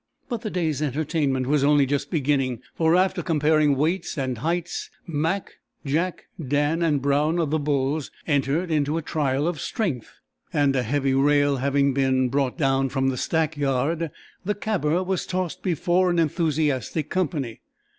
But the day's entertainment was only just beginning for after comparing weights and heights, Mac, Jack, Dan and Brown of the Bulls, entered into a trial of strength, and a heavy rail having been brought down from the stackyard, the "caber" was tossed before an enthusiastic company.